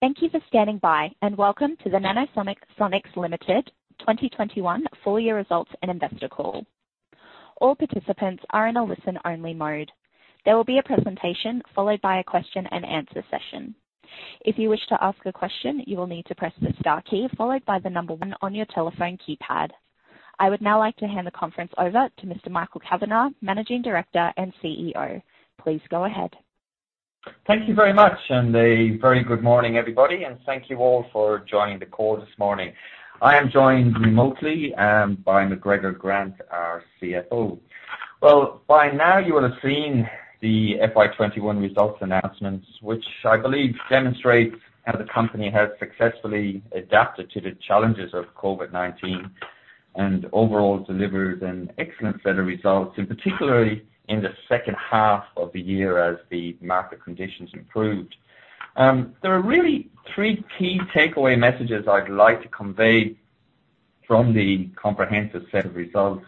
Thank you for standing by, and welcome to the Nanosonics Limited 2021 Full Year results and Investor Call. All participants are on listen only mode. There will be a presentation followed by question and answer session. If you wish to ask a question you will need to press star key followed by the number one on your telephone keypad. I would now like to hand the conference over to Mr. Michael Kavanagh, Managing Director and CEO. Please go ahead. Thank you very much, a very good morning, everybody, and thank you all for joining the call this morning. I am joined remotely by McGregor Grant, our CFO. Well, by now you will have seen the FY 2021 results announcements, which I believe demonstrate how the company has successfully adapted to the challenges of COVID-19 and overall delivered an excellent set of results, and particularly in the second half of the year as the market conditions improved. There are really three key takeaway messages I'd like to convey from the comprehensive set of results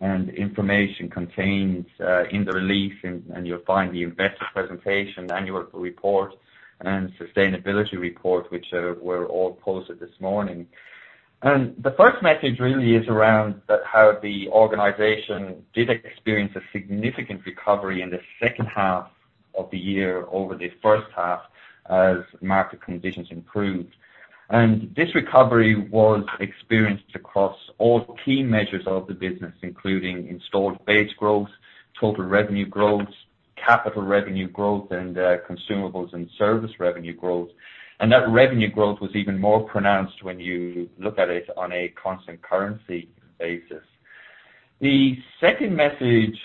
and information contained in the release, you'll find the investor presentation, annual report, and sustainability report, which were all posted this morning. The first message really is around how the organization did experience a significant recovery in the second half of the year over the first half as market conditions improved. This recovery was experienced across all key measures of the business, including installed base growth, total revenue growth, capital revenue growth, and consumables and service revenue growth. That revenue growth was even more pronounced when you look at it on a constant currency basis. The second message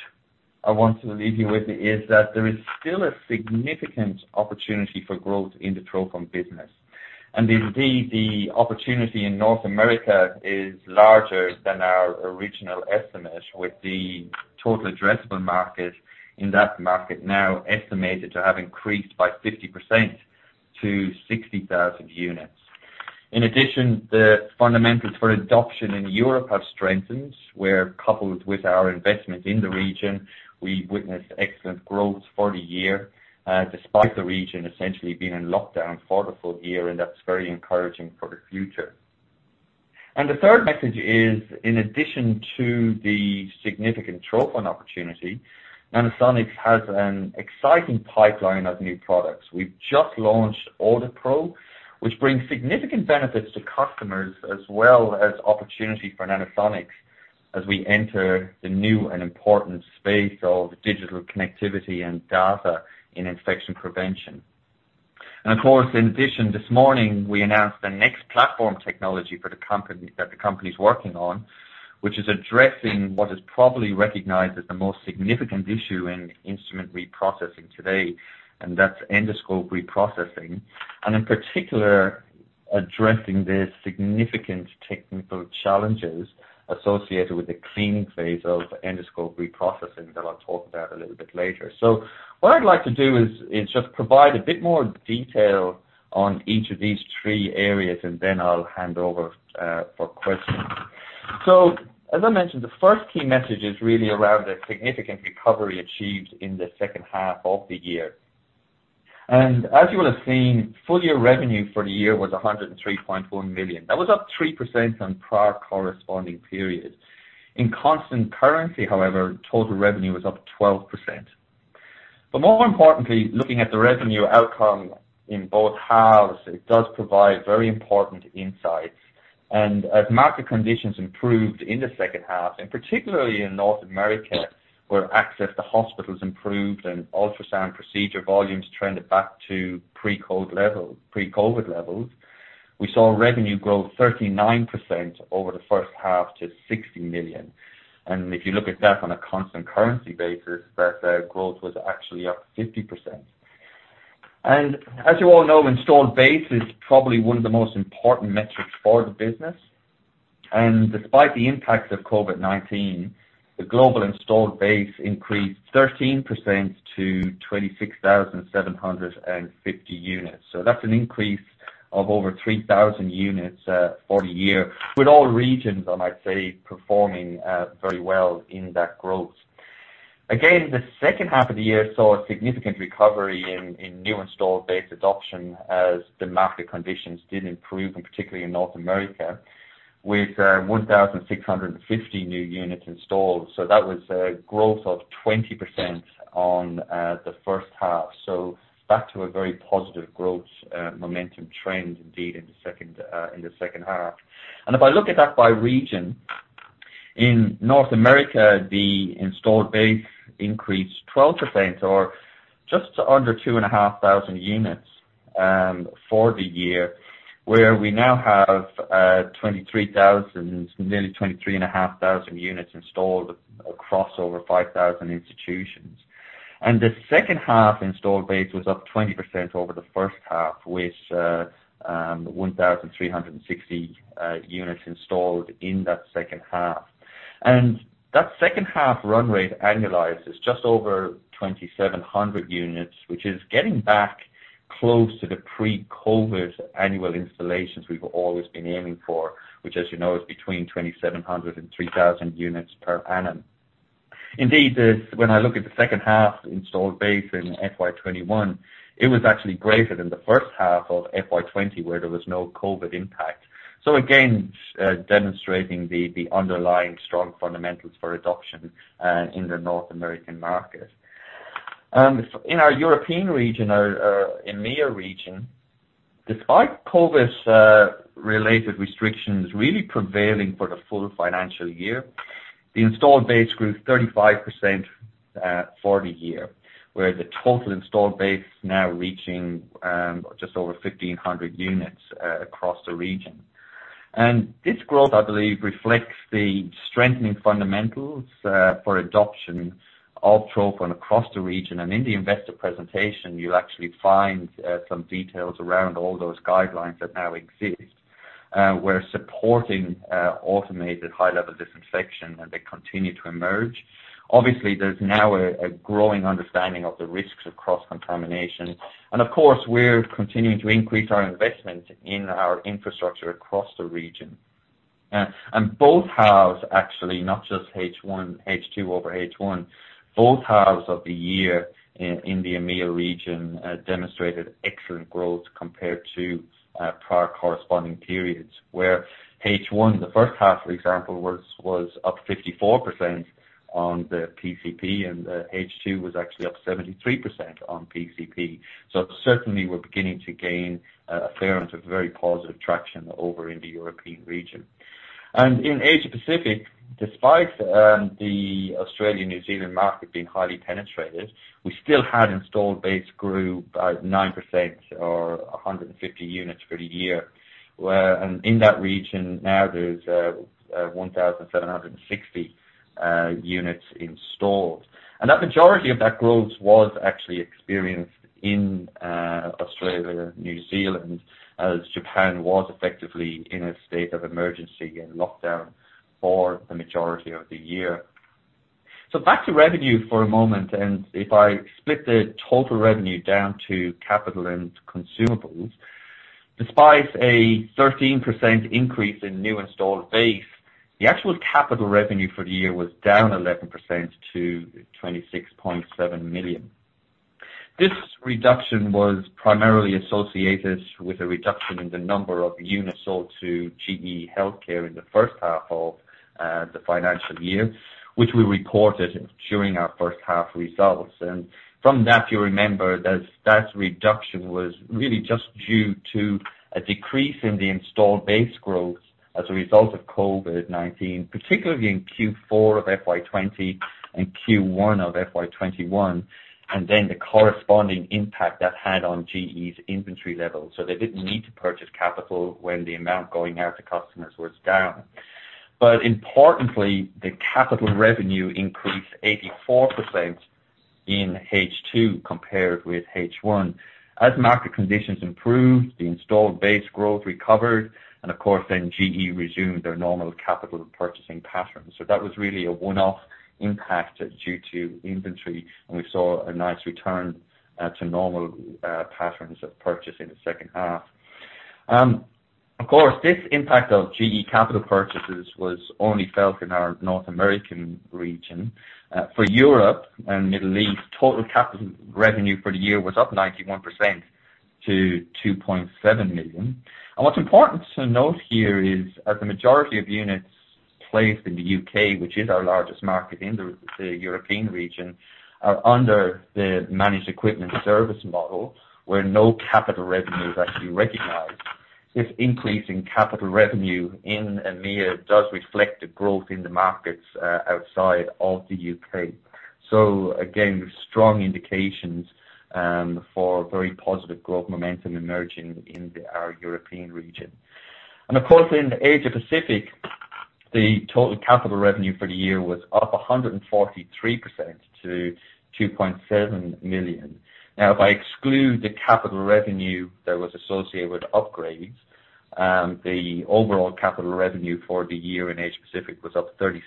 I want to leave you with is that there is still a significant opportunity for growth in the trophon business. Indeed, the opportunity in North America is larger than our original estimate, with the total addressable market in that market now estimated to have increased by 50% to 60,000 units. In addition, the fundamentals for adoption in Europe have strengthened, where coupled with our investment in the region, we witnessed excellent growth for the year, despite the region essentially being in lockdown for the full year. That's very encouraging for the future. The third message is, in addition to the significant trophon opportunity, Nanosonics has an exciting pipeline of new products. We've just launched AuditPro, which brings significant benefits to customers as well as opportunity for Nanosonics as we enter the new and important space of digital connectivity and data in infection prevention. Of course, in addition, this morning, we announced the next platform technology that the company's working on, which is addressing what is probably recognized as the most significant issue in instrument reprocessing today, and that's endoscope reprocessing, and in particular, addressing the significant technical challenges associated with the cleaning phase of endoscope reprocessing that I'll talk about a little bit later. What I'd like to do is just provide a bit more detail on each of these three areas, and then I'll hand over for questions. As I mentioned, the first key message is really around the significant recovery achieved in the second half of the year. As you will have seen, full-year revenue for the year was 103.1 million. That was up 3% on prior corresponding periods. In constant currency, however, total revenue was up 12%. More importantly, looking at the revenue outcome in both halves, it does provide very important insights. As market conditions improved in the second half, and particularly in North America, where access to hospitals improved and ultrasound procedure volumes trended back to pre-COVID-19 levels, we saw revenue grow 39% over the first half to 60 million. If you look at that on a constant currency basis, that growth was actually up 50%. As you all know, installed base is probably one of the most important metrics for the business. Despite the impacts of COVID-19, the global installed base increased 13% to 26,750 units. That's an increase of over 3,000 units for the year, with all regions, I might say, performing very well in that growth. Again, the second half of the year saw a significant recovery in new installed base adoption as the market conditions did improve, and particularly in North America, with 1,650 new units installed. That was a growth of 20% on the first half. Back to a very positive growth momentum trend indeed in the second half. If I look at that by region, in North America, the installed base increased 12%, or just under 2,500 units for the year, where we now have nearly 23,500 units installed across over 5,000 institutions. The second half installed base was up 20% over the first half, with 1,360 units installed in that second half. That second half run rate annualized is just over 2,700 units, which is getting back close to the pre-COVID annual installations we've always been aiming for, which as you know is between 2,700 and 3,000 units per annum. Indeed, when I look at the second half installed base in FY 2021, it was actually greater than the first half of FY 2020, where there was no COVID impact. Again, demonstrating the underlying strong fundamentals for adoption in the North American market. In our European region, our EMEA region, despite COVID-related restrictions really prevailing for the full financial year, the installed base grew 35% for the year, where the total installed base now reaching just over 1,500 units across the region. This growth, I believe, reflects the strengthening fundamentals for adoption of Trophon across the region. In the investor presentation, you'll actually find some details around all those guidelines that now exist. We're supporting automated high-level disinfection, and they continue to emerge. Obviously, there's now a growing understanding of the risks of cross-contamination. Of course, we're continuing to increase our investment in our infrastructure across the region. Both halves actually, not just H2 over H1, both halves of the year in the EMEA region demonstrated excellent growth compared to prior corresponding periods, where H1, the first half, for example, was up 54% on the PCP, and H2 was actually up 73% on PCP. Certainly, we're beginning to gain a fair amount of very positive traction over in the European region. In Asia Pacific, despite the Australian and New Zealand market being highly penetrated, we still had installed base grew by 9% or 150 units for the year. In that region now, there is 1,760 units installed. A majority of that growth was actually experienced in Australia, New Zealand, as Japan was effectively in a state of emergency and lockdown for the majority of the year. Back to revenue for a moment, and if I split the total revenue down to capital and consumables, despite a 13% increase in new installed base, the actual capital revenue for the year was down 11% to 26.7 million. This reduction was primarily associated with a reduction in the number of units sold to GE HealthCare in the first half of the financial year, which we recorded during our first half results. From that, you'll remember that reduction was really just due to a decrease in the installed base growth as a result of COVID-19, particularly in Q4 of FY 2020 and Q1 of FY 2021, and then the corresponding impact that had on GE's inventory levels. They didn't need to purchase capital when the amount going out to customers was down. Importantly, the capital revenue increased 84% in H2 compared with H1. As market conditions improved, the installed base growth recovered, and of course then GE resumed their normal capital purchasing patterns. That was really a one-off impact due to inventory, and we saw a nice return to normal patterns of purchase in the second half. Of course, this impact of GE capital purchases was only felt in our North American region. For Europe and Middle East, total capital revenue for the year was up 91% to 2.7 million. What's important to note here is, as the majority of units placed in the U.K., which is our largest market in the European region, are under the Managed Equipment Service model, where no capital revenue is actually recognized. This increase in capital revenue in EMEA does reflect a growth in the markets outside of the U.K. Again, strong indications for very positive growth momentum emerging in our European region. Of course, in the Asia Pacific, the total capital revenue for the year was up 143% to 2.7 million. Now, if I exclude the capital revenue that was associated with upgrades, the overall capital revenue for the year in Asia Pacific was up 36%.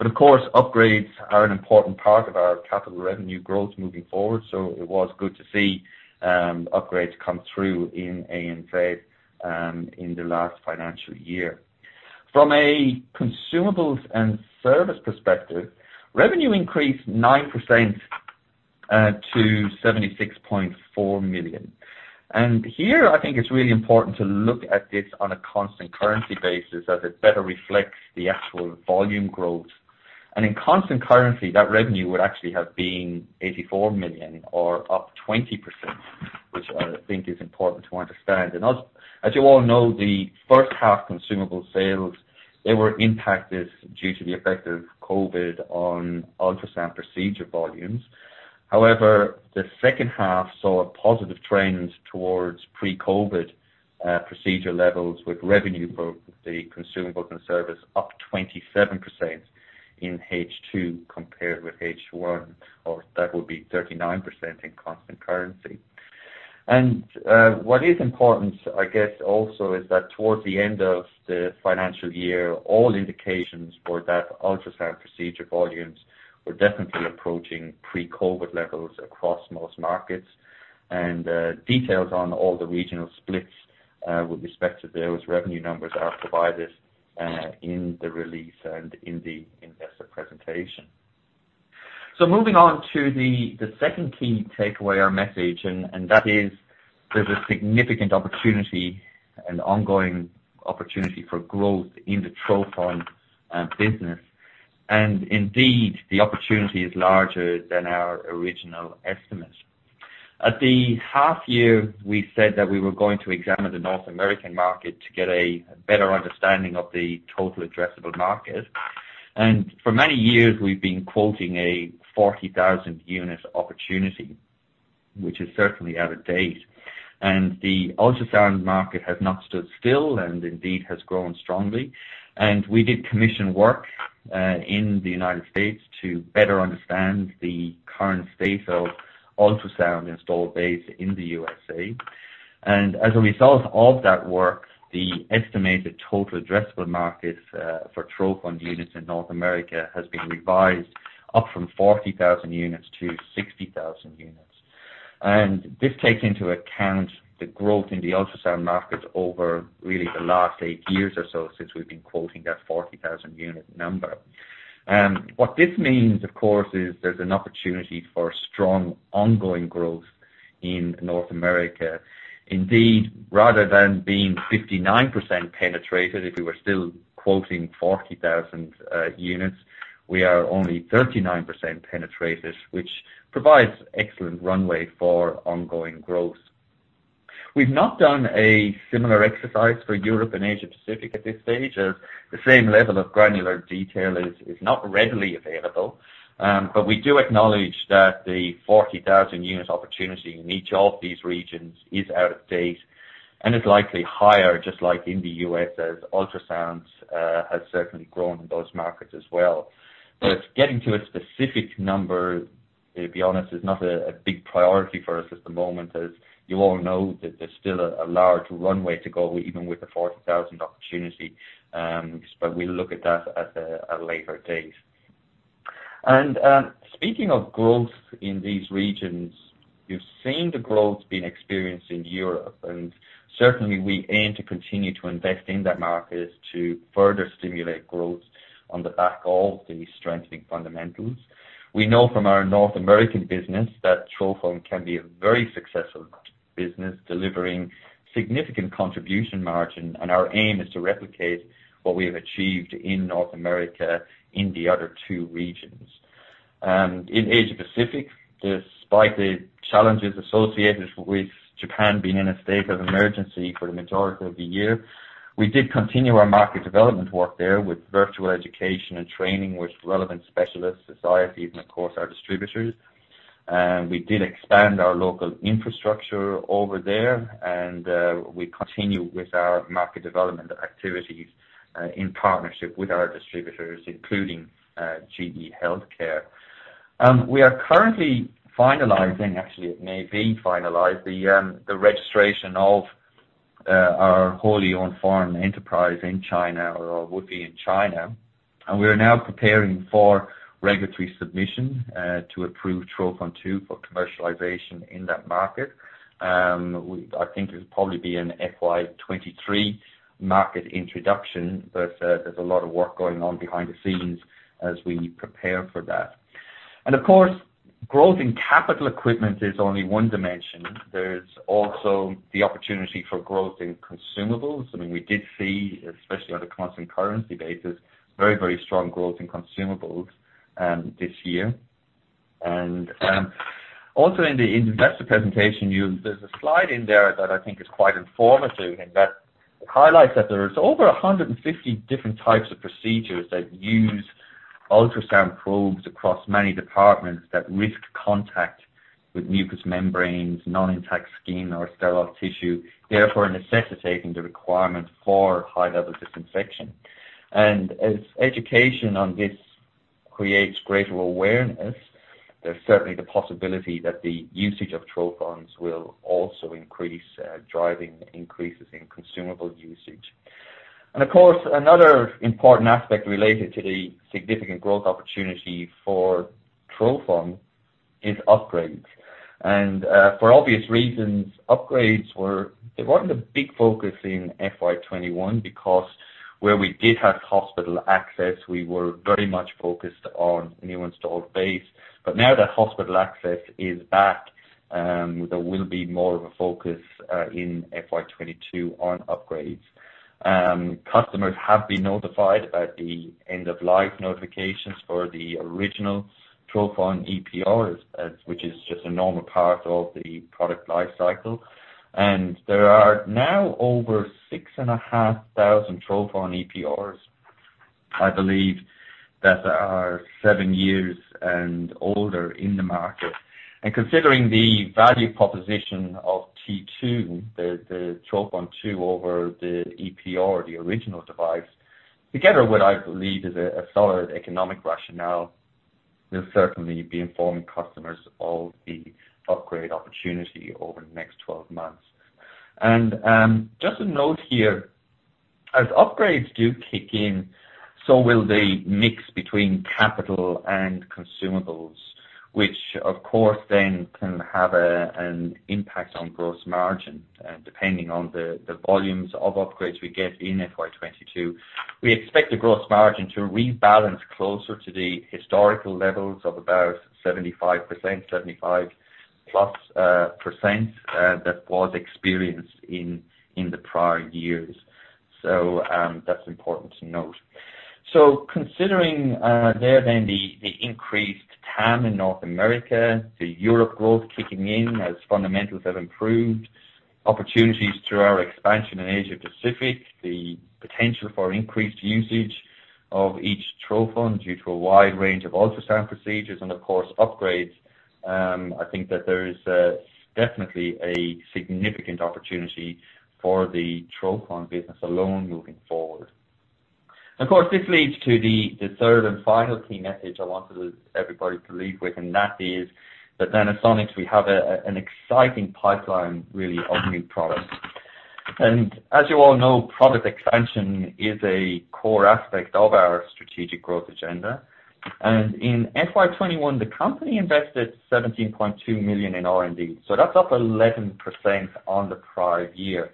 Of course, upgrades are an important part of our capital revenue growth moving forward, so it was good to see upgrades come through in Nanosonics AuditPro in the last financial year. From a consumables and service perspective, revenue increased 9% to 76.4 million. Here, I think it's really important to look at this on a constant currency basis as it better reflects the actual volume growth. In constant currency, that revenue would actually have been 84 million or up 20%, which I think is important to understand. As you all know, the first half consumable sales, they were impacted due to the effect of COVID on ultrasound procedure volumes. However, the second half saw a positive trend towards pre-COVID procedure levels with revenue for the consumable and service up 27% in H2 compared with H1, or that would be 39% in constant currency. What is important, I guess also, is that towards the end of the financial year, all indications for that ultrasound procedure volumes. We're definitely approaching pre-COVID levels across most markets. Details on all the regional splits with respect to those revenue numbers are provided in the release and in the investor presentation. Moving on to the second key takeaway or message, and that is there's a significant opportunity, an ongoing opportunity for growth in the Trophon business. Indeed, the opportunity is larger than our original estimates. At the half year, we said that we were going to examine the North American market to get a better understanding of the total addressable market. For many years we've been quoting a 40,000 unit opportunity, which is certainly out of date. The ultrasound market has not stood still and indeed has grown strongly. We did commission work in the U.S. to better understand the current state of ultrasound installed base in the U.S. As a result of that work, the estimated total addressable market for trophon units in North America has been revised up from 40,000 units to 60,000 units. This takes into account the growth in the ultrasound market over really the last eight years or so, since we've been quoting that 40,000 unit number. What this means, of course, is there's an opportunity for strong ongoing growth in North America. Indeed, rather than being 59% penetrated, if we were still quoting 40,000 units, we are only 39% penetrated, which provides excellent runway for ongoing growth. We've not done a similar exercise for Europe and Asia Pacific at this stage, as the same level of granular detail is not readily available. We do acknowledge that the 40,000 unit opportunity in each of these regions is out of date and is likely higher, just like in the US, as ultrasounds has certainly grown in those markets as well. Getting to a specific number, to be honest, is not a big priority for us at the moment, as you all know that there's still a large runway to go, even with the 40,000 opportunity. We'll look at that at a later date. Speaking of growth in these regions, you've seen the growth being experienced in Europe, and certainly we aim to continue to invest in that market to further stimulate growth on the back of the strengthening fundamentals. We know from our North American business that Trophon can be a very successful business, delivering significant contribution margin. Our aim is to replicate what we have achieved in North America, in the other two regions. In Asia Pacific, despite the challenges associated with Japan being in a state of emergency for the majority of the year, we did continue our market development work there with virtual education and training with relevant specialist societies and, of course, our distributors. We did expand our local infrastructure over there. We continue with our market development activities, in partnership with our distributors, including GE HealthCare. We are currently finalizing, actually, it may be finalized, the registration of our wholly foreign-owned enterprise in China, or would be in China. We are now preparing for regulatory submission, to approve Trophon 2 for commercialization in that market. I think it'll probably be in FY 2023 market introduction, but there's a lot of work going on behind the scenes as we prepare for that. Of course, growth in capital equipment is only one dimension. There's also the opportunity for growth in consumables. I mean, we did see, especially on a constant currency basis, very, very strong growth in consumables this year. Also in the investor presentation, there's a slide in there that I think is quite informative and that highlights that there is over 150 different types of procedures that use ultrasound probes across many departments that risk contact with mucous membranes, non-intact skin or sterile tissue, therefore necessitating the requirement for high-level disinfection. As education on this creates greater awareness, there's certainly the possibility that the usage of trophons will also increase, driving increases in consumable usage. Of course, another important aspect related to the significant growth opportunity for Trophon is upgrades. For obvious reasons, upgrades weren't a big focus in FY 2021 because where we did have hospital access, we were very much focused on new installed base. Now that hospital access is back, there will be more of a focus, in FY 2022 on upgrades. Customers have been notified at the end of life notifications for the original Trophon EPR, which is just a normal part of the product life cycle. There are now over 6,500 Trophon EPRs, I believe, that are seven years and older in the market. Considering the value proposition of T2, the Trophon 2 over the EPR, the original device, together with, I believe, is a solid economic rationale. We'll certainly be informing customers of the upgrade opportunity over the next 12 months. Just a note here. As upgrades do kick in, so will the mix between capital and consumables, which, of course, then can have an impact on gross margin, depending on the volumes of upgrades we get in FY 2022. We expect the gross margin to rebalance closer to the historical levels of about 75%+ that was experienced in the prior years. That's important to note. Considering there then the increased TAM in North America, the Europe growth kicking in as fundamentals have improved, opportunities through our expansion in Asia Pacific, the potential for increased usage of each trophon due to a wide range of ultrasound procedures and of course, upgrades, I think that there is definitely a significant opportunity for the trophon business alone looking forward. Of course, this leads to the third and final key message I wanted everybody to leave with, and that is that Nanosonics, we have an exciting pipeline, really, of new products. As you all know, product expansion is a core aspect of our strategic growth agenda. In FY 2021, the company invested 17.2 million in R&D, so that's up 11% on the prior year.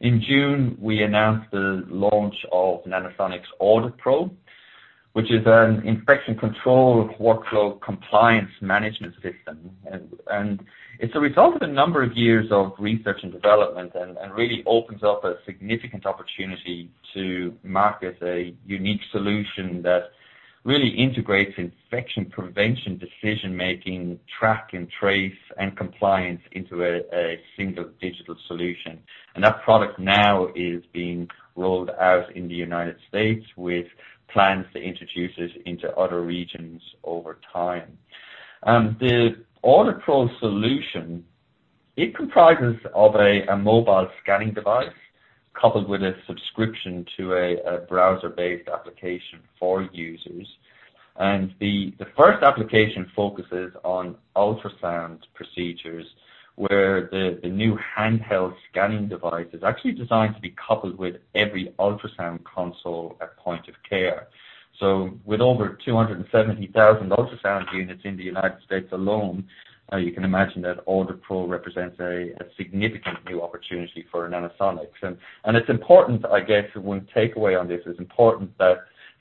In June, we announced the launch of Nanosonics AuditPro, which is an infection control workflow compliance management system. It's a result of a number of years of research and development and really opens up a significant opportunity to market a unique solution that really integrates infection prevention decision-making, track and trace, and compliance into a single digital solution. That product now is being rolled out in the U.S. with plans to introduce it into other regions over time. The AuditPro solution, it comprises of a mobile scanning device coupled with a subscription to a browser-based application for users. The first application focuses on ultrasound procedures, where the new handheld scanning device is actually designed to be coupled with every ultrasound console at point of care. With over 270,000 ultrasound units in the U.S. alone, you can imagine that AuditPro represents a significant new opportunity for Nanosonics. One takeaway on this is important that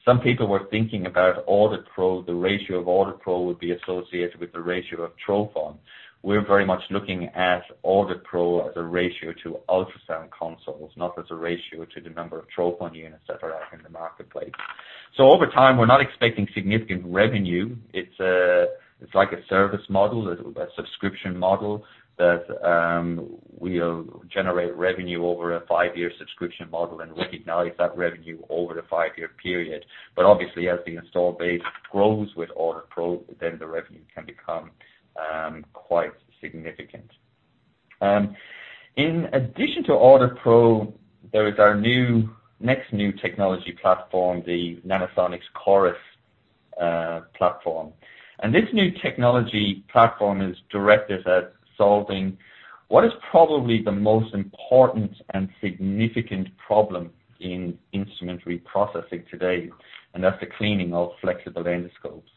some people were thinking about AuditPro, the ratio of AuditPro would be associated with the ratio of trophon. We're very much looking at AuditPro as a ratio to ultrasound consoles, not as a ratio to the number of trophon units that are out in the marketplace. Over time, we're not expecting significant revenue. It's like a service model, a subscription model that will generate revenue over a five-year subscription model and recognize that revenue over the 5-year period. Obviously, as the install base grows with AuditPro, then the revenue can become quite significant. In addition to AuditPro, there is our next new technology platform, the Nanosonics Coris platform. This new technology platform is directed at solving what is probably the most important and significant problem in instrument reprocessing today, and that's the cleaning of flexible endoscopes.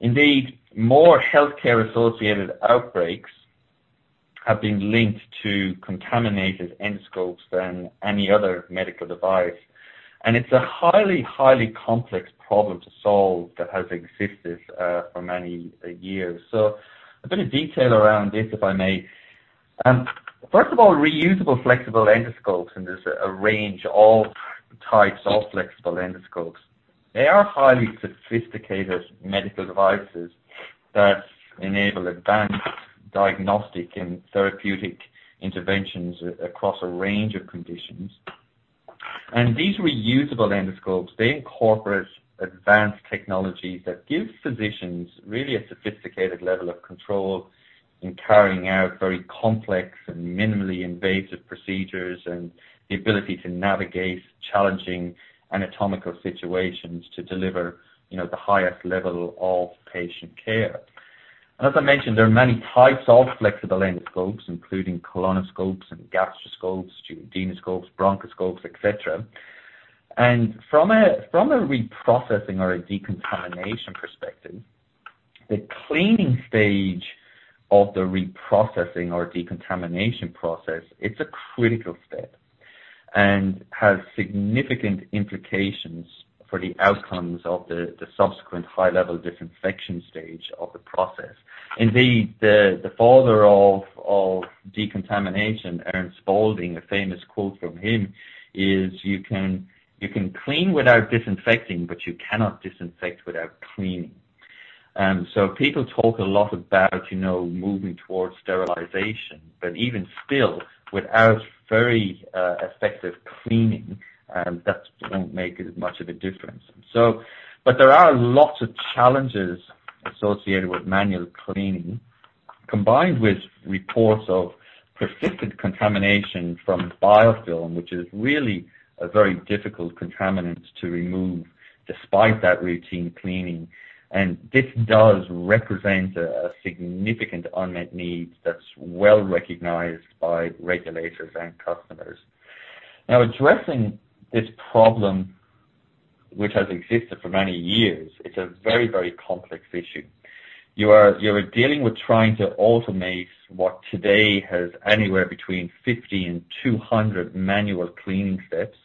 Indeed, more healthcare-associated outbreaks have been linked to contaminated endoscopes than any other medical device. It's a highly complex problem to solve that has existed for many years. A bit of detail around this, if I may. First of all, reusable flexible endoscopes, and there's a range of types of flexible endoscopes. They are highly sophisticated medical devices that enable advanced diagnostic and therapeutic interventions across a range of conditions. These reusable endoscopes, they incorporate advanced technologies that give physicians really a sophisticated level of control in carrying out very complex and minimally invasive procedures and the ability to navigate challenging anatomical situations to deliver the highest level of patient care. As I mentioned, there are many types of flexible endoscopes, including colonoscopes and gastroscopes, duodenoscopes, bronchoscopes, et cetera. From a reprocessing or a decontamination perspective, the cleaning stage of the reprocessing or decontamination process, it's a critical step, and has significant implications for the outcomes of the subsequent high-level disinfection stage of the process. Indeed, the father of decontamination, Earle Spaulding, a famous quote from him is, "You can clean without disinfecting, but you cannot disinfect without cleaning." People talk a lot about moving towards sterilization, but even still, without very effective cleaning, that won't make as much of a difference. There are lots of challenges associated with manual cleaning, combined with reports of persistent contamination from biofilm, which is really a very difficult contaminant to remove despite that routine cleaning. This does represent a significant unmet need that's well recognized by regulators and customers. Now, addressing this problem, which has existed for many years. It's a very, very complex issue. You are dealing with trying to automate what today has anywhere between 50 and 200 manual cleaning steps.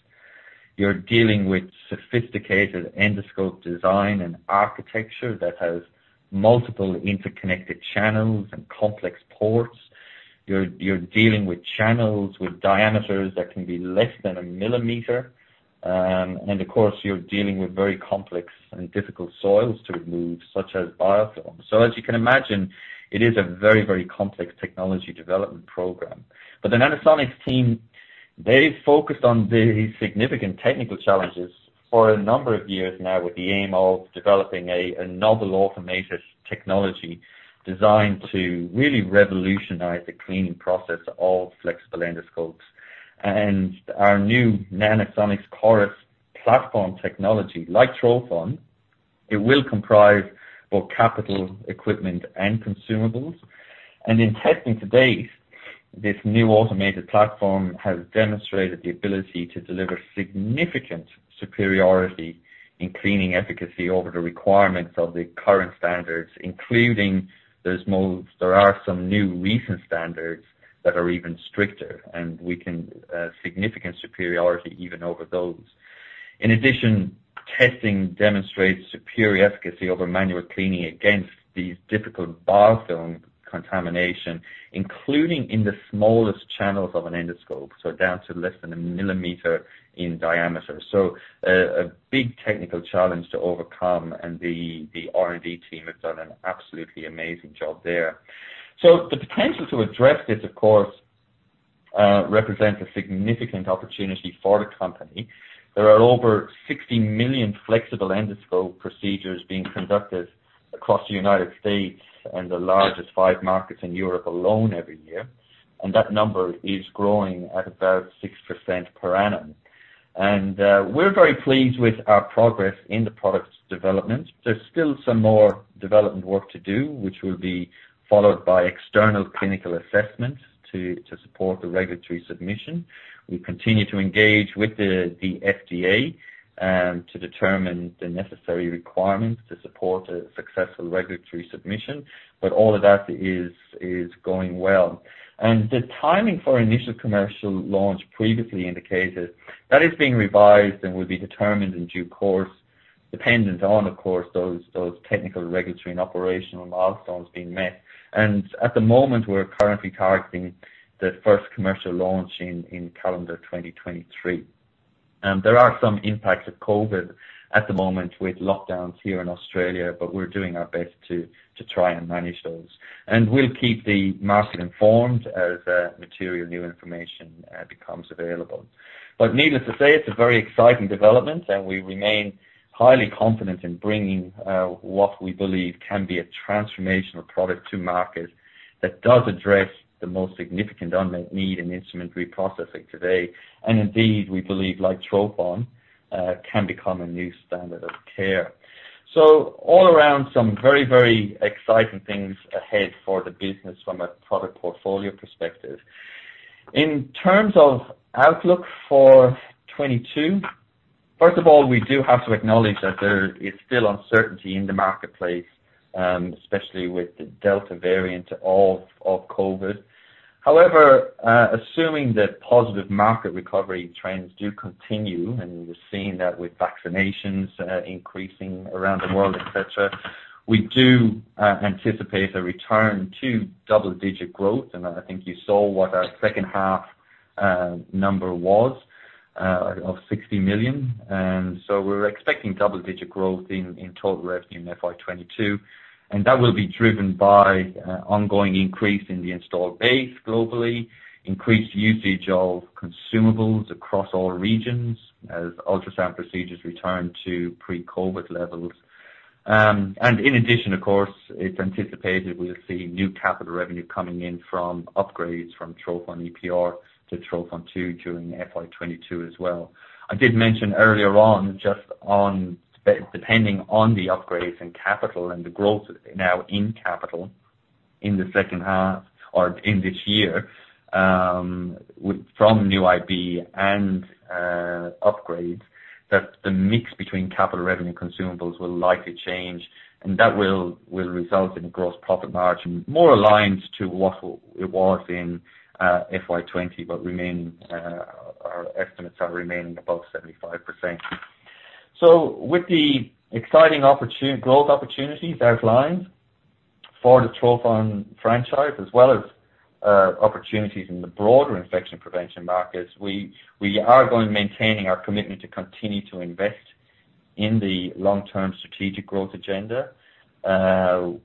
You're dealing with sophisticated endoscope design and architecture that has multiple interconnected channels and complex ports. You're dealing with channels with diameters that can be less than a millimeter. Of course, you're dealing with very complex and difficult soils to remove, such as biofilm. As you can imagine, it is a very, very complex technology development program. The Nanosonics team, they focused on the significant technical challenges for a number of years now with the aim of developing a novel automated technology designed to really revolutionize the cleaning process of flexible endoscopes. Our new Nanosonics Coris platform technology, like trophon, it will comprise both capital equipment and consumables. In testing to date, this new automated platform has demonstrated the ability to deliver significant superiority in cleaning efficacy over the requirements of the current standards, including those moves. There are some new recent standards that are even stricter, and we can significant superiority even over those. Testing demonstrates superior efficacy over manual cleaning against these difficult biofilm contamination, including in the smallest channels of an endoscope, down to less than a millimeter in diameter. A big technical challenge to overcome, the R&D team have done an absolutely amazing job there. The potential to address this, of course, represents a significant opportunity for the company. There are over 60 million flexible endoscope procedures being conducted across the U.S. and the largest 5 markets in Europe alone every year, that number is growing at about 6% per annum. We're very pleased with our progress in the product's development. There's still some more development work to do, which will be followed by external clinical assessments to support the regulatory submission. We continue to engage with the FDA, to determine the necessary requirements to support a successful regulatory submission. All of that is going well. The timing for initial commercial launch previously indicated, that is being revised and will be determined in due course, dependent on, of course, those technical, regulatory, and operational milestones being met. At the moment, we're currently targeting the first commercial launch in calendar 2023. There are some impacts of COVID-19 at the moment with lockdowns here in Australia, but we're doing our best to try and manage those. We'll keep the market informed as material new information becomes available. Needless to say, it's a very exciting development, and we remain highly confident in bringing what we believe can be a transformational product to market that does address the most significant unmet need in instrument reprocessing today. Indeed, we believe, like Trophon, can become a new standard of care. All around, some very, very exciting things ahead for the business from a product portfolio perspective. In terms of outlook for 2022, first of all, we do have to acknowledge that there is still uncertainty in the marketplace, especially with the Delta variant of COVID-19. However, assuming that positive market recovery trends do continue, and we're seeing that with vaccinations increasing around the world, et cetera, we do anticipate a return to double-digit growth. I think you saw what our second half number was of 60 million. We're expecting double-digit growth in total revenue in FY 2022, and that will be driven by ongoing increase in the installed base globally, increased usage of consumables across all regions as ultrasound procedures return to pre-COVID-19 levels. In addition, of course, it's anticipated we'll see new capital revenue coming in from upgrades from Trophon EPR to Trophon 2 during FY 2022 as well. I did mention earlier on, just depending on the upgrades in capital and the growth now in capital in the second half or in this year, from new IP and upgrades, that the mix between capital revenue consumables will likely change, and that will result in gross profit margin more aligned to what it was in FY 2020. Our estimates are remaining above 75%. With the exciting growth opportunities outlined for the Trophon franchise, as well as opportunities in the broader infection prevention markets, we are maintaining our commitment to continue to invest in the long-term strategic growth agenda,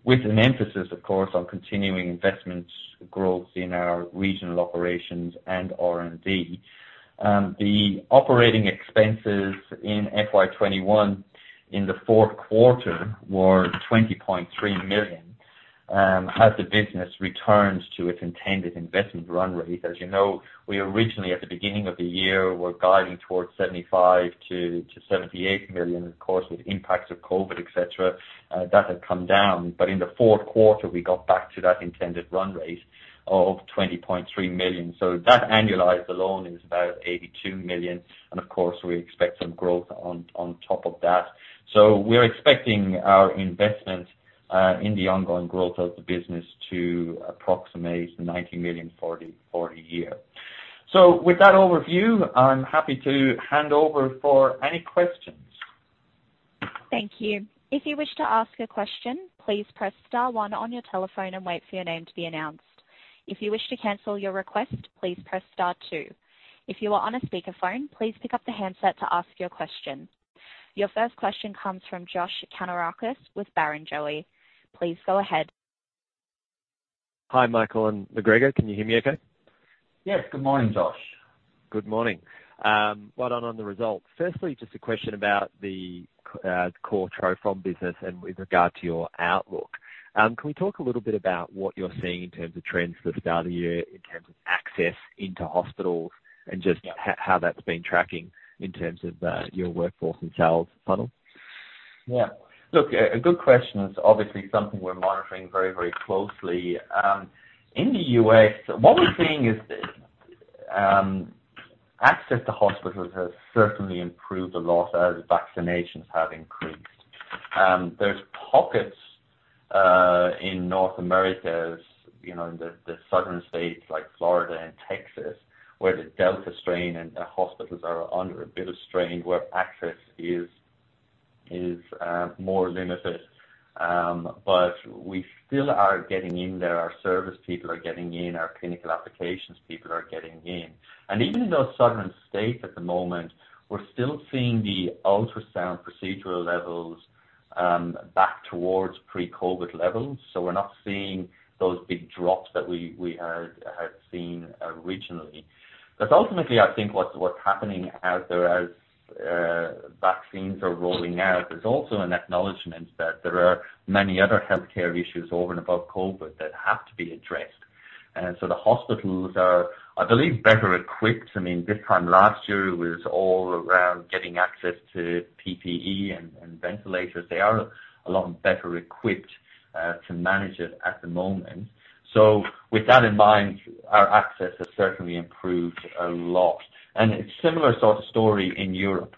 with an emphasis, of course, on continuing investments growth in our regional operations and R&D. The operating expenses in FY 2021 in the fourth quarter were 20.3 million. The business returns to its intended investment run rate, as you know, we originally, at the beginning of the year, were guiding towards 75 million-78 million. Of course, with impacts of COVID-19, et cetera, that had come down. In the fourth quarter, we got back to that intended run rate of 20.3 million. That annualized alone is about 82 million, and of course, we expect some growth on top of that. We're expecting our investment in the ongoing growth of the business to approximate 90 million for the year. With that overview, I'm happy to hand over for any questions. Thank you. Your first question comes from Josh Kannourakis with Barrenjoey. Please go ahead. Hi, Michael and McGregor. Can you hear me okay? Yes. Good morning, Josh. Good morning. Well done on the results. Firstly, just a question about the core trophon business and with regard to your outlook. Can we talk a little bit about what you're seeing in terms of trends for the start of the year, in terms of access into hospitals, and just how that's been tracking in terms of your workforce and sales funnel? Yeah. Look, a good question. It's obviously something we're monitoring very closely. In the U.S., what we're seeing is access to hospitals has certainly improved a lot as vaccinations have increased. There's pockets in North America, in the southern states like Florida and Texas, where the Delta strain and hospitals are under a bit of strain, where access is more limited. We still are getting in there. Our service people are getting in, our clinical applications people are getting in. Even in those southern states at the moment, we're still seeing the ultrasound procedural levels back towards pre-COVID levels. We're not seeing those big drops that we had seen originally. Ultimately I think what's happening as vaccines are rolling out, there's also an acknowledgment that there are many other healthcare issues over and above COVID that have to be addressed. The hospitals are, I believe, better equipped. I mean, this time last year was all around getting access to PPE and ventilators. They are a lot better equipped to manage it at the moment. With that in mind, our access has certainly improved a lot. It's similar sort of story in Europe.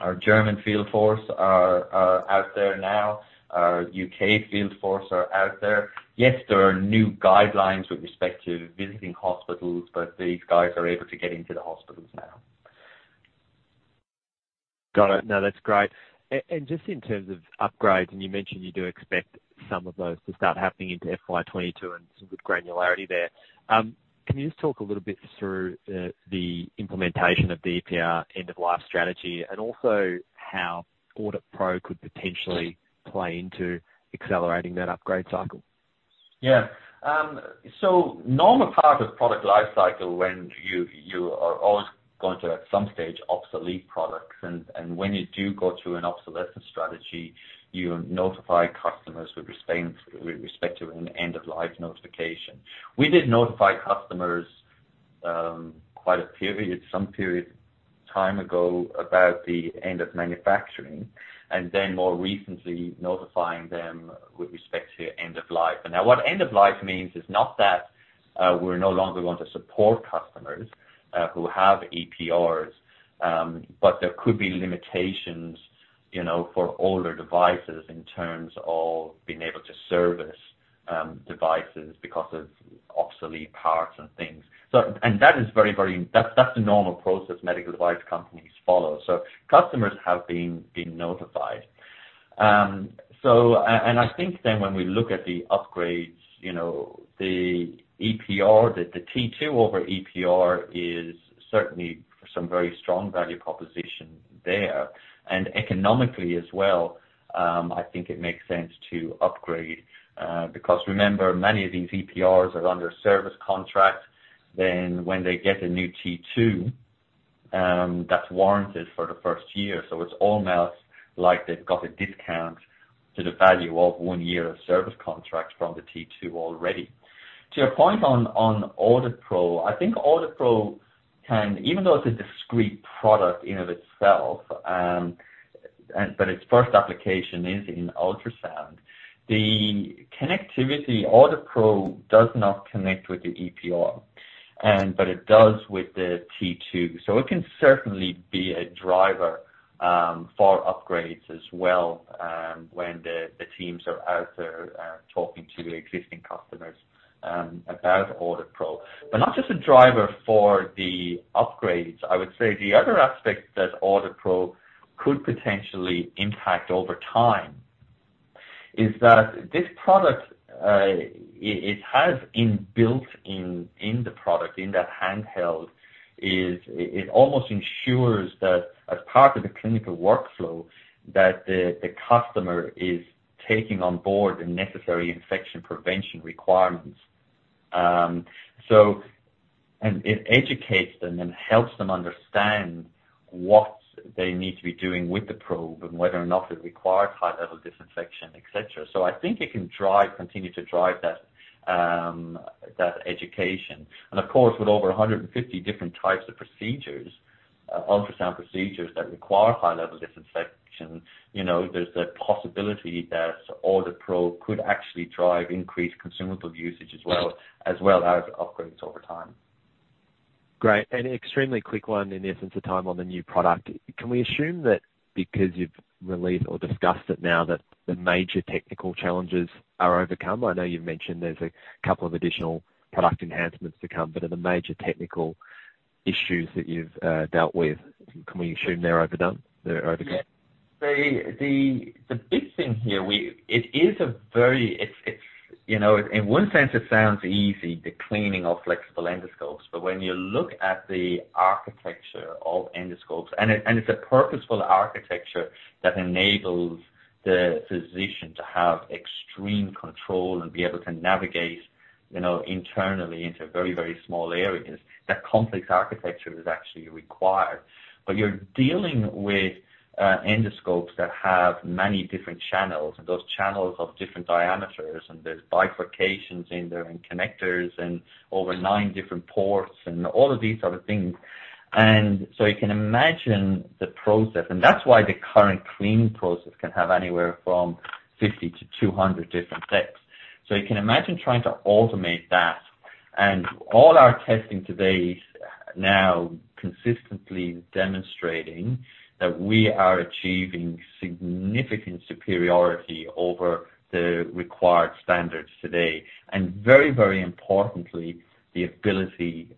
Our German field force are out there now. Our U.K. field force are out there. Yes, there are new guidelines with respect to visiting hospitals, but these guys are able to get into the hospitals now. Got it. No, that's great. Just in terms of upgrades, and you mentioned you do expect some of those to start happening into FY 2022 and some good granularity there. Can you just talk a little bit through the implementation of the EPR end-of-life strategy, and also how AuditPro could potentially play into accelerating that upgrade cycle? Yeah. Normal part of product life cycle when you are always going to, at some stage, obsolete products. When you do go through an obsolescence strategy, you notify customers with respect to an end-of-life notification. We did notify customers some period time ago about the end of manufacturing, more recently notifying them with respect to end of life. What end of life means is not that we're no longer going to support customers who have EPRs, but there could be limitations for older devices in terms of being able to service devices because of obsolete parts and things. That's the normal process medical device companies follow. Customers have been notified. I think when we look at the upgrades, the EPR, the T2 over EPR is certainly some very strong value proposition there. Economically as well, I think it makes sense to upgrade. Remember, many of these EPRs are under service contract. When they get a new T2, that's warranted for the first year. It's almost like they've got a discount to the value of one year of service contract from the T2 already. To your point on AuditPro, I think AuditPro can, even though it's a discrete product in of itself, but its first application is in ultrasound. The connectivity, AuditPro does not connect with the EPR, but it does with the T2. It can certainly be a driver for upgrades as well when the teams are out there talking to existing customers about AuditPro. Not just a driver for the upgrades. I would say the other aspect that AuditPro could potentially impact over time is that this product, it has inbuilt in the product, in that handheld, is it almost ensures that as part of the clinical workflow, that the customer is taking on board the necessary infection prevention requirements. It educates them and helps them understand what they need to be doing with the probe and whether or not it requires high-level disinfection, et cetera. I think it can continue to drive that education. Of course, with over 150 different types of procedures, ultrasound procedures that require high-level disinfection, there's the possibility that AuditPro could actually drive increased consumable usage as well, as well as upgrades over time. Great. Extremely quick one, in the essence of time on the new product. Can we assume that because you've released or discussed it now that the major technical challenges are overcome? I know you've mentioned there's a couple of additional product enhancements to come, but are the major technical issues that you've dealt with, can we assume they're overcome? Yeah. The big thing here, in one sense it sounds easy, the cleaning of flexible endoscopes. When you look at the architecture of endoscopes, and it's a purposeful architecture that enables the physician to have extreme control and be able to navigate internally into very, very small areas. That complex architecture is actually required. You're dealing with endoscopes that have many different channels, and those channels have different diameters, and there's bifurcations in there and connectors and over nine different ports and all of these sort of things. You can imagine the process, and that's why the current cleaning process can have anywhere from 50 to 200 different steps. You can imagine trying to automate that. All our testing to date now consistently demonstrating that we are achieving significant superiority over the required standards today. Very, very importantly, the ability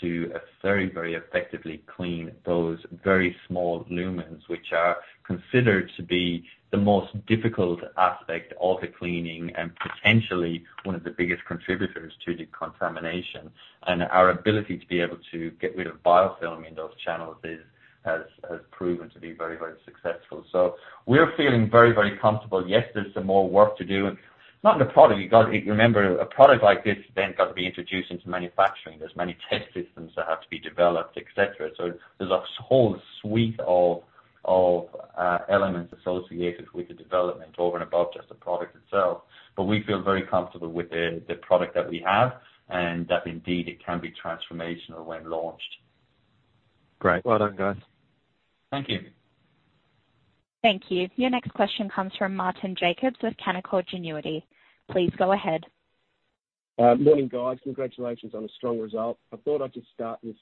to very, very effectively clean those very small lumens, which are considered to be the most difficult aspect of the cleaning and potentially one of the biggest contributors to the contamination. Our ability to be able to get rid of biofilm in those channels has proven to be very, very successful. We're feeling very, very comfortable. Yes, there's some more work to do. Not in the product. You remember, a product like this then got to be introduced into manufacturing. There's many test systems that have to be developed, et cetera. There's a whole suite of elements associated with the development over and above just the product itself. We feel very comfortable with the product that we have and that indeed it can be transformational when launched. Great. Well done, guys. Thank you. Thank you. Your next question comes from Martin Jacobs with Canaccord Genuity. Please go ahead. Morning, guys. Congratulations on a strong result. I thought I'd just start this,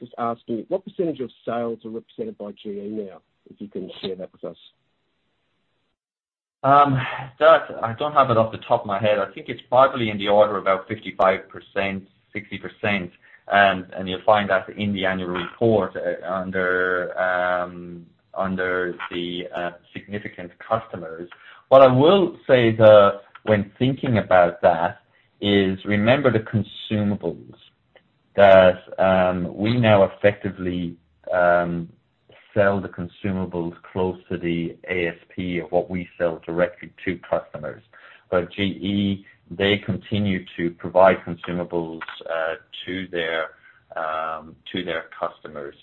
just asking, what percent of sales are represented by GE now? If you can share that with us. That I don't have it off the top of my head. I think it's probably in the order of about 55%, 60%. You'll find that in the annual report under the significant customers. What I will say, though, when thinking about that, is remember the consumables. That we now effectively sell the consumables close to the ASP of what we sell directly to customers. GE, they continue to provide consumables to their customers.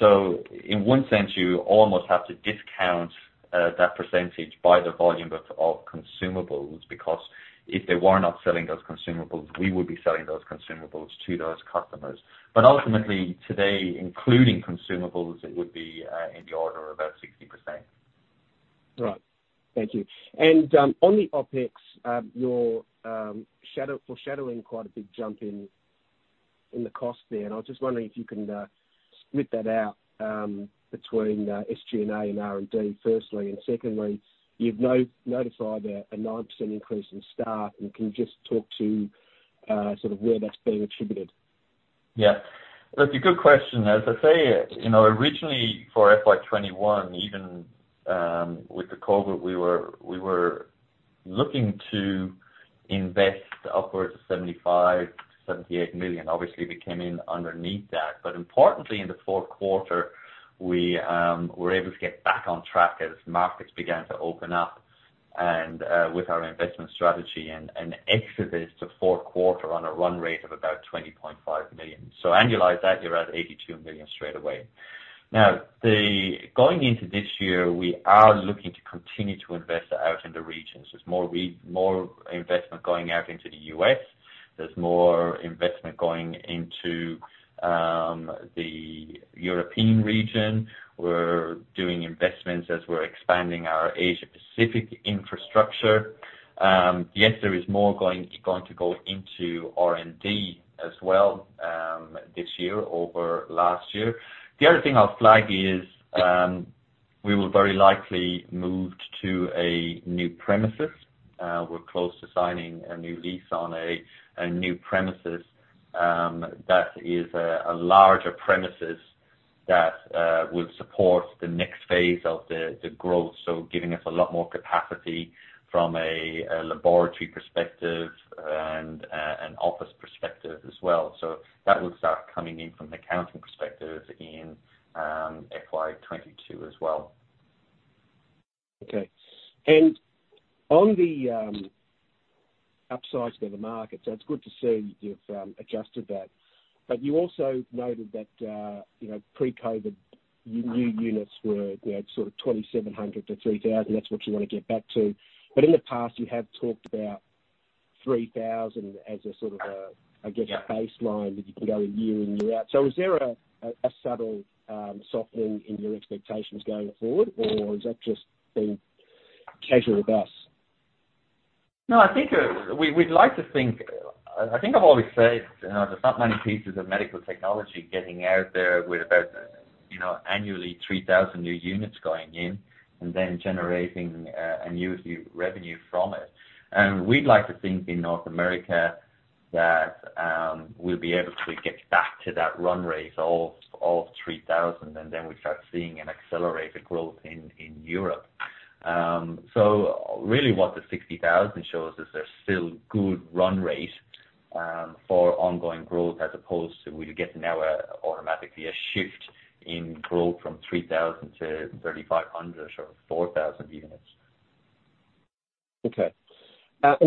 In one sense, you almost have to discount that percentage by the volume of consumables, because if they were not selling those consumables, we would be selling those consumables to those customers. Ultimately today, including consumables, it would be in the order of about 60%. Right. Thank you. On the OpEx, you're foreshadowing quite a big jump in the cost there. I was just wondering if you can split that out between SG&A and R&D, firstly. Secondly, you've notified a 9% increase in staff, and can you just talk to sort of where that's being attributed? Yeah. That's a good question. As I say, originally for FY 2021, even with the COVID-19, we were looking to invest upwards of 75 million-78 million. Obviously, we came in underneath that. Importantly, in the fourth quarter, we were able to get back on track as markets began to open up and with our investment strategy and exceeded the fourth quarter on a run rate of about 20.5 million. Annualize that, you're at 82 million straight away. Going into this year, we are looking to continue to invest out in the regions. There's more investment going out into the U.S. There's more investment going into the European region. We're doing investments as we're expanding our Asia Pacific infrastructure. Yes, there is more going to go into R&D as well this year over last year. The other thing I'll flag is we will very likely move to a new premises. We're close to signing a new lease on a new premises that is a larger premises that will support the next phase of the growth, giving us a lot more capacity from a laboratory perspective and an office perspective as well. That will start coming in from an accounting perspective in FY 2022 as well. Okay. On the upsize for the market, so it is good to see you have adjusted that. You also noted that pre-COVID-19, your units were sort of 2,700-3,000 units. That is what you want to get back to. In the past, you have talked about 3,000 as a sort of a, I guess, a baseline that you can go a year in, year out. Is there a subtle softening in your expectations going forward, or is that just being casual with us? No, I think we'd like to think I've always said, there's not many pieces of medical technology getting out there with about annually 3,000 new units going in and then generating annual revenue from it. We'd like to think in North America that we'll be able to get back to that run rate of 3,000, and then we start seeing an accelerated growth in Europe. Really what the 60,000 shows is there's still good run rate for ongoing growth as opposed to we're getting now automatically a shift in growth from 3,000 to 3,500 or 4,000 units. Okay.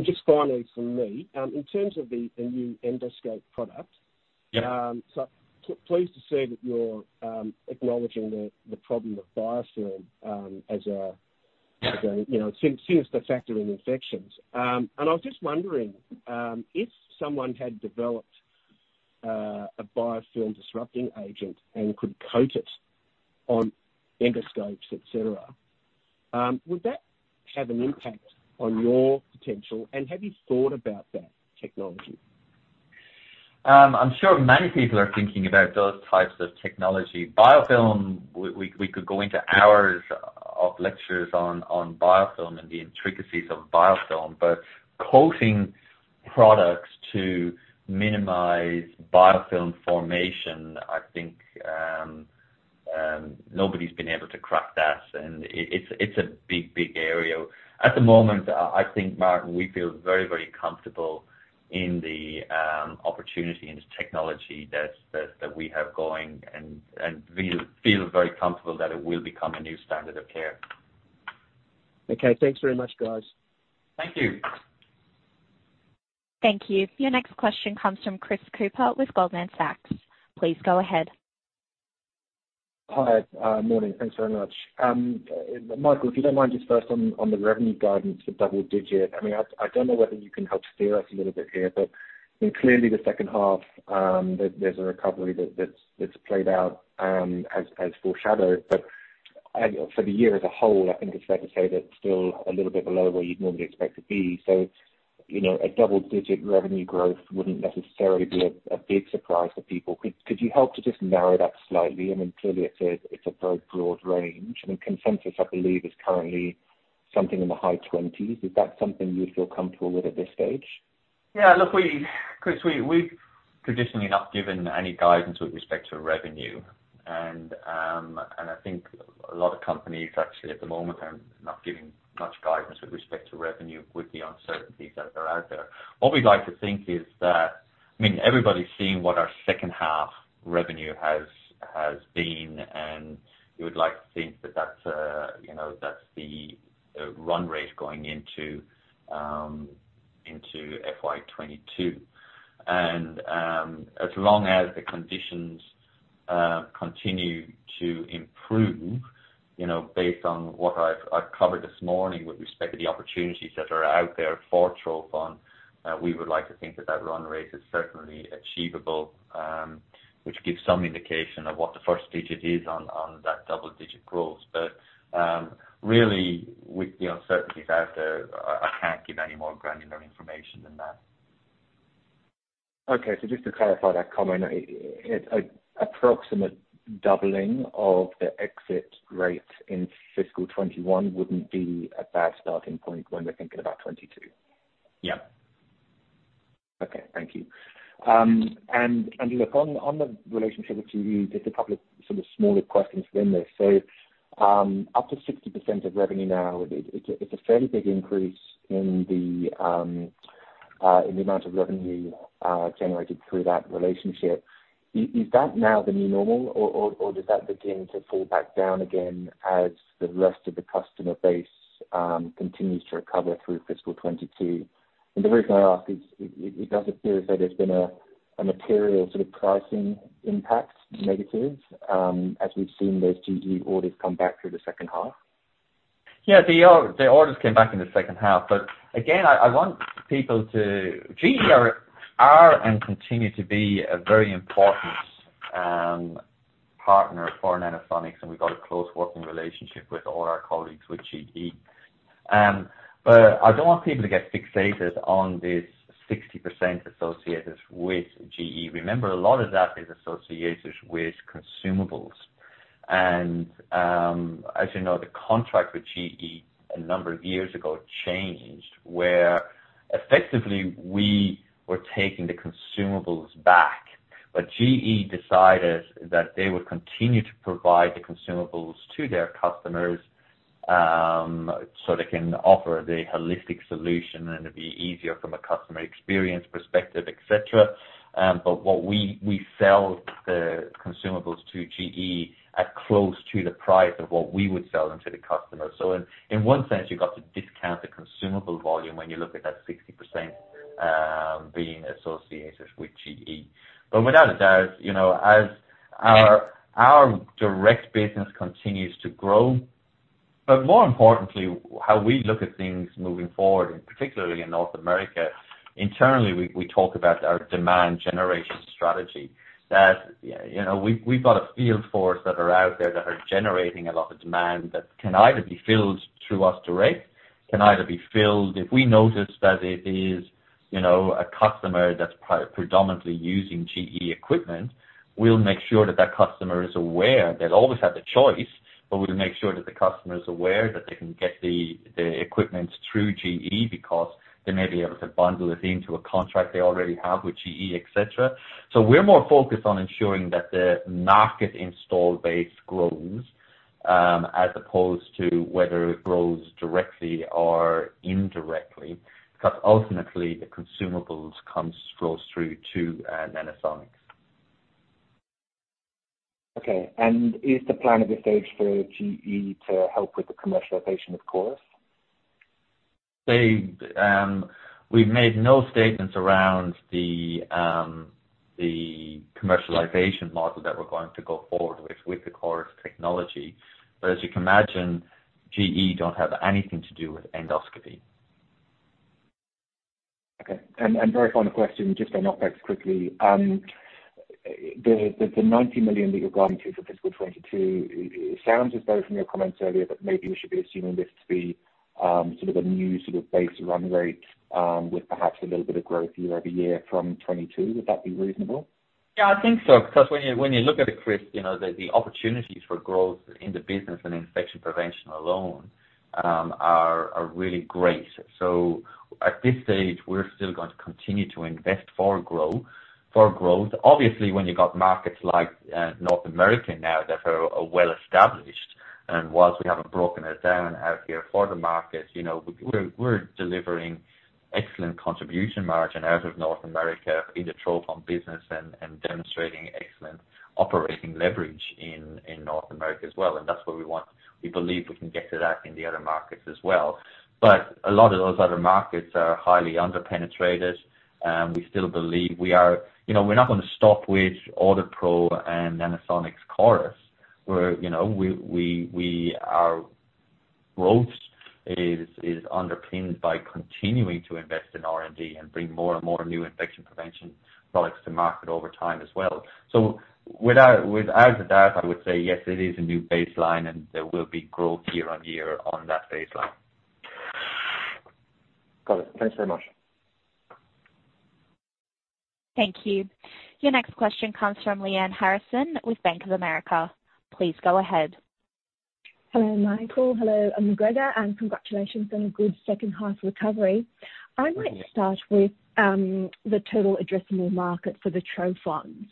Just finally from me, in terms of the new endoscope product. Yeah. Pleased to see that you're acknowledging the problem of biofilm as a factor in infections. I was just wondering, if someone had developed a biofilm disrupting agent and could coat it on endoscopes, et cetera, would that have an impact on your potential, and have you thought about that technology? I'm sure many people are thinking about those types of technology. biofilm, we could go into hours of lectures on biofilm and the intricacies of biofilm, but coating products to minimize biofilm formation, I think, nobody's been able to crack that. It's a big, big area. At the moment, I think, Martin, we feel very, very comfortable in the opportunity and the technology that we have going, and feel very comfortable that it will become a new standard of care. Okay. Thanks very much, guys. Thank you. Thank you. Your next question comes from Chris Cooper with Goldman Sachs. Please go ahead. Hi. Morning. Thanks very much. Michael, if you don't mind just first on the revenue guidance for double-digit. I don't know whether you can help steer us a little bit here. Clearly the second half, there's a recovery that's played out as foreshadowed. For the year as a whole, I think it's fair to say that it's still a little bit below where you'd normally expect to be. A double-digit revenue growth wouldn't necessarily be a big surprise for people. Could you help to just narrow that slightly? Clearly it's a very broad range. The consensus, I believe, is currently something in the high 20s. Is that something you feel comfortable with at this stage? Yeah. Look, Chris, we've traditionally not given any guidance with respect to revenue. I think a lot of companies actually at the moment are not giving much guidance with respect to revenue with the uncertainties that are out there. What we'd like to think is that everybody's seen what our second half revenue has been, and we would like to think that that's the run rate going into FY 2022. As long as the conditions continue to improve based on what I've covered this morning with respect to the opportunities that are out there for trophon, we would like to think that that run rate is certainly achievable, which gives some indication of what the first digit is on that double-digit growth. Really with the uncertainties out there, I can't give any more granular information than that. Just to clarify that comment, approximate doubling of the exit rate in FY 2021 wouldn't be a bad starting point when we're thinking about 2022? Yeah. Okay. Thank you. Look, on the relationship with GE, there's a couple of sort of smaller questions within this. Up to 60% of revenue now, it's a fairly big increase in the amount of revenue generated through that relationship. Is that now the new normal, or does that begin to fall back down again as the rest of the customer base continues to recover through FY 2022? The reason I ask is, it doesn't appear as though there's been a material sort of pricing impact, negative, as we've seen those GE orders come back through the second half. Yeah, the orders came back in the second half. I want people to GE are, and continue to be a very important partner for Nanosonics, and we've got a close working relationship with all our colleagues with GE. I don't want people to get fixated on this 60% associated with GE. Remember, a lot of that is associated with consumables. As you know, the contract with GE a number of years ago changed, where effectively we were taking the consumables back. GE decided that they would continue to provide the consumables to their customers, so they can offer the holistic solution and it'd be easier from a customer experience perspective, et cetera. What we sell the consumables to GE at close to the price of what we would sell them to the customer. In one sense, you've got to discount the consumable volume when you look at that 60% being associated with GE. Without a doubt, as our direct business continues to grow, but more importantly, how we look at things moving forward, and particularly in North America, internally, we talk about our demand generation strategy. We've got a field force that are out there that are generating a lot of demand that can either be filled through us direct. If we notice that it is a customer that's predominantly using GE equipment, we'll make sure that that customer is aware. They'll always have the choice, but we'll make sure that the customer is aware that they can get the equipment through GE because they may be able to bundle it into a contract they already have with GE, et cetera. We're more focused on ensuring that the market install base grows, as opposed to whether it grows directly or indirectly, because ultimately the consumables flows through to Nanosonics. Okay. Is the plan at this stage for GE to help with the commercialization of Coris? We've made no statements around the commercialization model that we're going to go forward with the Coris technology. As you can imagine, GE don't have anything to do with endoscopy. Okay. Very final question, just to knock back quickly. The 90 million that you're guiding to for FY 2022, it sounds as though, from your comments earlier, that maybe we should be assuming this to be sort of a new base run rate, with perhaps a little bit of growth year-over-year from 2022. Would that be reasonable? Yeah, I think so. When you look at it, Chris, the opportunities for growth in the business and infection prevention alone are really great. At this stage, we're still going to continue to invest for growth. Obviously, when you've got markets like North America now that are well established, and whilst we haven't broken it down out here for the market, we're delivering excellent contribution margin out of North America in the trophon business and demonstrating excellent operating leverage in North America as well. That's where We believe we can get to that in the other markets as well. A lot of those other markets are highly under-penetrated. We're not going to stop with AuditPro and Nanosonics Coris. Our growth is underpinned by continuing to invest in R&D and bring more and more new infection prevention products to market over time as well. Without a doubt, I would say, yes, it is a new baseline, and there will be growth year on year on that baseline. Got it. Thanks very much. Thank you. Your next question comes from Lyanne Harrison with Bank of America. Please go ahead. Hello, Michael. Hello, McGregor, and congratulations on a good second half recovery. Thank you. I might start with the total addressable market for the trophon.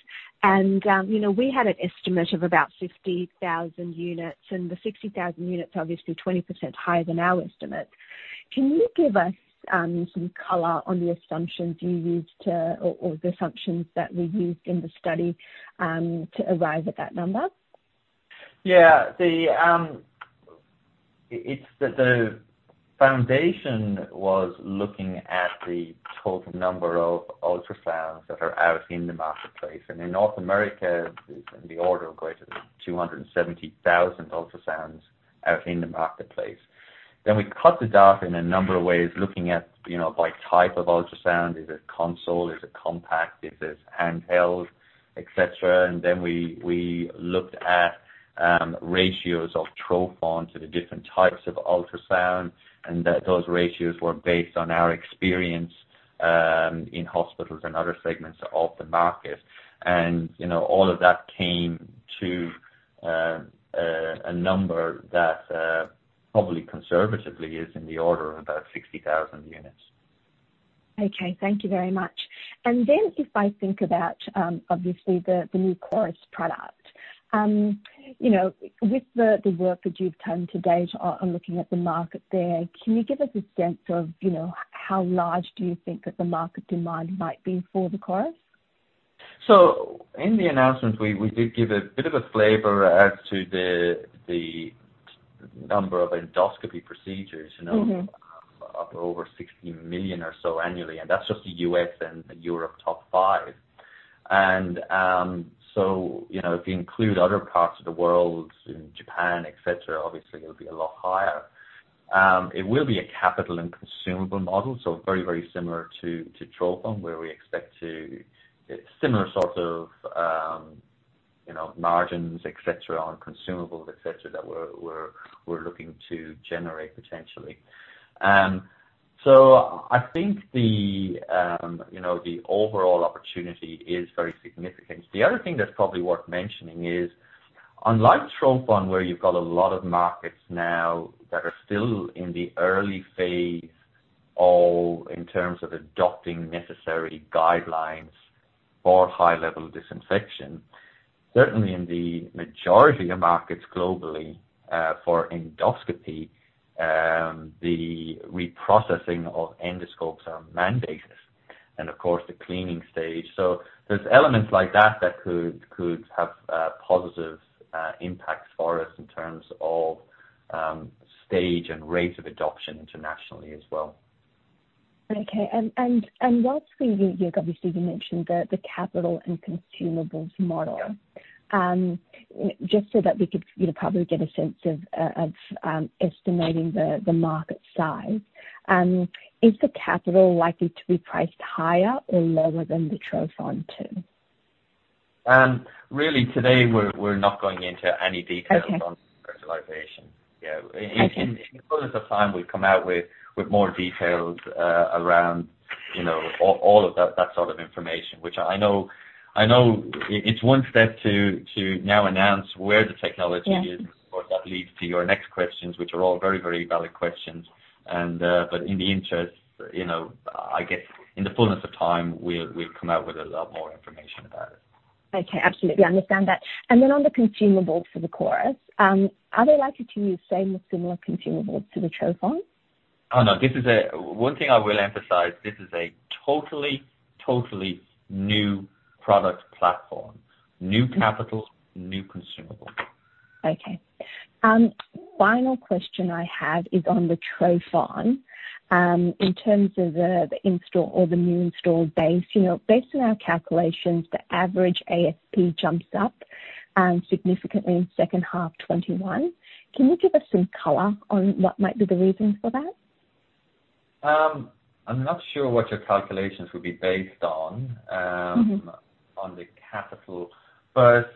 We had an estimate of about 60,000 units, the 60,000 units are obviously 20% higher than our estimate. Can you give us some color on the assumptions you used to, or the assumptions that were used in the study, to arrive at that number? Yeah. The foundation was looking at the total number of ultrasounds that are out in the marketplace. In North America, it's in the order of greater than 270,000 ultrasounds out in the marketplace. We cut the data in a number of ways, looking at by type of ultrasound. Is it console? Is it compact? Is it handheld? Et cetera. Then we looked at ratios of trophon to the different types of ultrasound, and those ratios were based on our experience in hospitals and other segments of the market. All of that came to a number that probably conservatively is in the order of about 60,000 units. Okay. Thank you very much. If I think about, obviously the new Coris product. With the work that you've done to date on looking at the market there, can you give us a sense of how large do you think that the market demand might be for the Coris? In the announcement, we did give a bit of a flavor as to the number of endoscopy procedures. Up over 16 million or so annually, that's just the U.S. and Europe top five. If you include other parts of the world, in Japan, et cetera, obviously it'll be a lot higher. It will be a capital and consumable model, so very, very similar to trophon where we expect to get similar sorts of margins, et cetera, on consumables, et cetera, that we're looking to generate potentially. I think the overall opportunity is very significant. The other thing that's probably worth mentioning is, unlike trophon, where you've got a lot of markets now that are still in the early phase, all in terms of adopting necessary guidelines for high-level disinfection. Certainly in the majority of markets globally, for endoscopy, the reprocessing of endoscopes are mandated, and of course, the cleaning stage. There's elements like that that could have a positive impact for us in terms of stage and rate of adoption internationally as well. Okay. Obviously, you mentioned the capital and consumables model. Yeah. Just so that we could probably get a sense of estimating the market size. Is the capital likely to be priced higher or lower than the Trophon 2? Really today we're not going into any details. Okay On commercialization. Yeah. Okay. In fullness of time, we'll come out with more details around all of that sort of information, which I know it's one step to now announce where the technology is. Yeah. Of course, that leads to your next questions, which are all very valid questions. In the interest, I guess in the fullness of time, we'll come out with a lot more information about it. Okay. Absolutely. Understand that. Then on the consumables for the Coris, are they likely to use same or similar consumables to the Trophon? Oh, no. One thing I will emphasize, this is a totally new product platform. New capital, new consumable. Okay. Final question I have is on the Trophon in terms of the install or the new install base. Based on our calculations, the average ASP jumps up significantly in second half 2021. Can you give us some color on what might be the reason for that? I'm not sure what your calculations would be based on, on the capital, but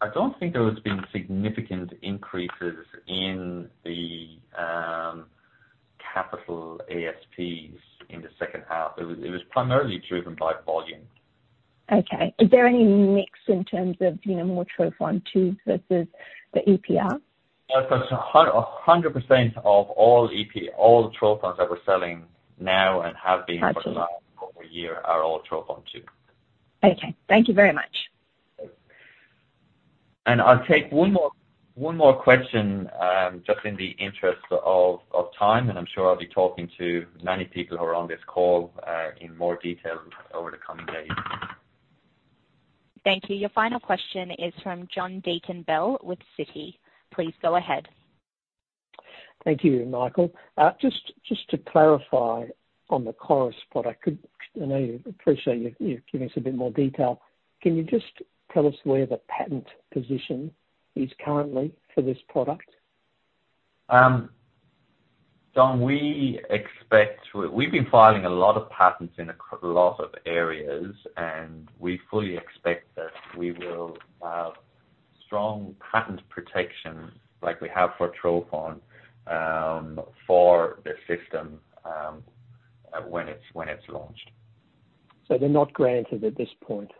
I don't think there has been significant increases in the capital ASPs in the second half. It was primarily driven by volume. Okay. Is there any mix in terms of more Trophon 2 versus the EPR? 100% of all Trophons that we're selling now and have been. Got you. for the last couple of year are all Trophon 2. Okay. Thank you very much. I'll take one more question, just in the interest of time, and I'm sure I'll be talking to many people who are on this call, in more detail over the coming days. Thank you. Your final question is from John Deakin-Bell with Citi. Please go ahead. Thank you, Michael. Just to clarify on the Coris product, I know you appreciate, you've given us a bit more detail. Can you just tell us where the patent position is currently for this product? John, we've been filing a lot of patents in a lot of areas, and we fully expect that we will have strong patent protection like we have for Trophon, for the system, when it's launched. They're not granted at this point?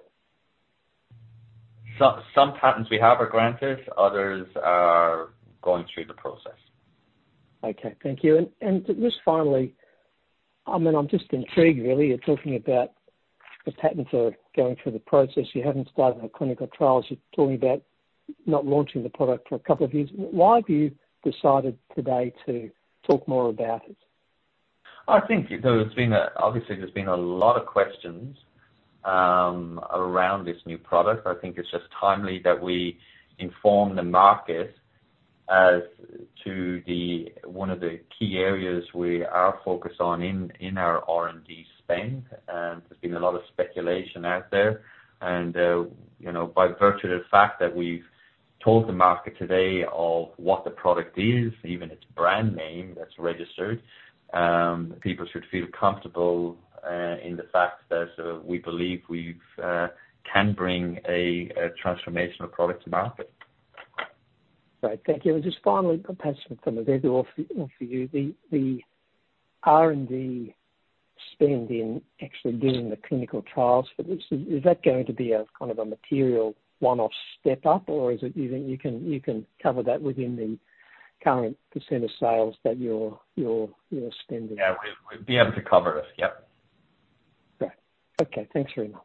Some patents we have are granted, others are going through the process. Okay. Thank you. Just finally, I'm just intrigued really. You're talking about the patents are going through the process. You haven't started the clinical trials. You're talking about not launching the product for two years. Why have you decided today to talk more about it? I think obviously there's been a lot of questions around this new product. I think it's just timely that we inform the market as to one of the key areas we are focused on in our R&D spend. There's been a lot of speculation out there and, by virtue of the fact that we've told the market today of what the product is, even its brand name that's registered, people should feel comfortable in the fact that we believe we can bring a transformational product to market. Great. Thank you. Just finally, perhaps for me, maybe also for you, the R&D spend in actually doing the clinical trials for this, is that going to be a material one-off step up or is it you can cover that within the current percent of sales that you're spending? Yeah, we'd be able to cover it. Yep. Great. Okay. Thanks very much.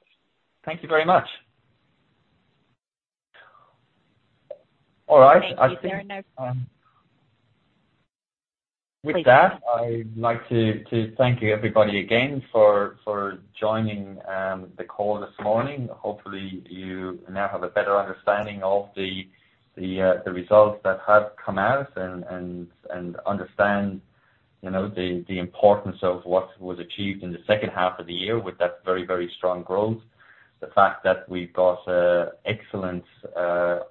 Thank you very much. All right. Thank you. There are no further- With that, I'd like to thank you everybody again for joining the call this morning. Hopefully, you now have a better understanding of the results that have come out and understand the importance of what was achieved in the second half of the year with that very strong growth, the fact that we've got excellent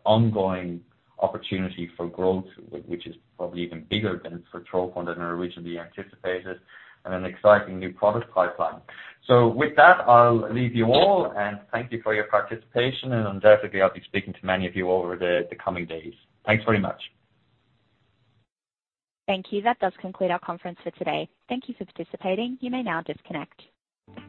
ongoing opportunity for growth, which is probably even bigger than for Trophon than originally anticipated, and an exciting new product pipeline. With that, I'll leave you all, and thank you for your participation, and undoubtedly, I'll be speaking to many of you over the coming days. Thanks very much. Thank you. That does conclude our conference for today. Thank you for participating. You may now disconnect.